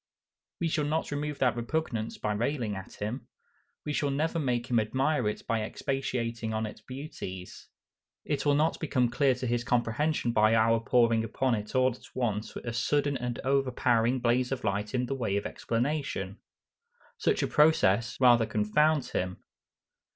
We shall not remove that repugnance by railing at him. We shall never make him admire it by expatiating on its beauties. It will not become clear to his comprehension by our pouring upon it all at once a sudden and overpowering blaze of light in the way of explanation. Such a process rather confounds him.